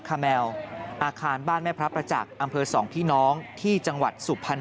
คาแมวอาคารบ้านแม่พระประจักษ์อำเภอ๒พี่น้องที่จังหวัดสุพรรณ